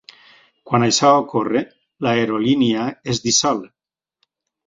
Quan això ocorre, l'aerolínia es dissol.